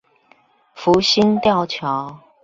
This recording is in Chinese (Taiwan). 福興吊橋